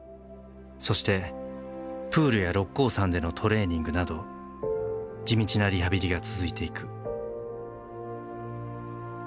そしてプールや六甲山でのトレーニングなど地道なリハビリが続いていく。